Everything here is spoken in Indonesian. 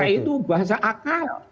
itu bahasa akal